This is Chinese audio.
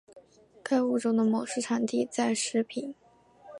该物种的模式产地在石屏。